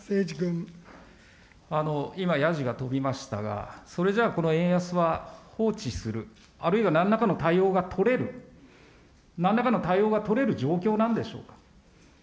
今、やじが飛びましたが、それじゃこの円安は放置する、あるいはなんらかの対応が取れる、なんらかの対応が取れる状況なんでしょうか。